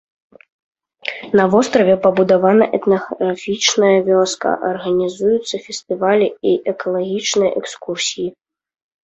На востраве пабудавана этнаграфічная вёска, арганізуюцца фестывалі і экалагічныя экскурсіі.